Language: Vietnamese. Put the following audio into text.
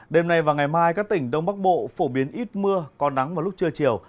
đêm nay và ngày mai các tỉnh đông bắc bộ phổ biến ít mưa có nắng vào lúc trưa chiều